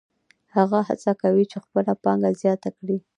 هغه هڅه کوي چې خپله پانګه زیاته کړي